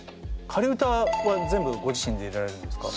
仮歌は全部ご自身で入れられるんですか？